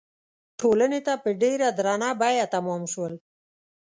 ټولنې ته په ډېره درنه بیه تمام شول.